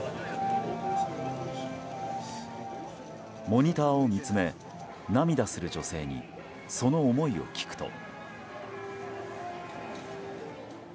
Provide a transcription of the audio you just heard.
モニターを見つめ涙する女性にその思いを聞くと。